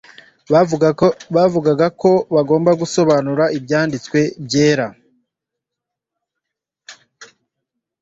Bavugaga ko aribo bagomba gusobanura Ibyanditswe Byera